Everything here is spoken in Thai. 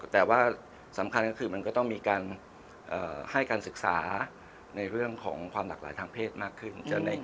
แต่ว่าสำคัญก็คือมันก็ต้องมีการให้การศึกษาในเรื่องของความหลากหลายทางเพศมากขึ้น